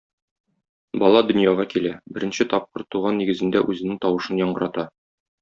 Бала дөньяга килә, беренче тапкыр туган нигезендә үзенең тавышын яңгырата.